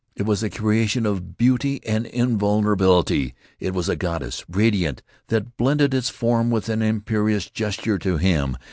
It was a creation of beauty and invulnerability. It was a goddess, radiant, that bended its form with an imperious gesture to him.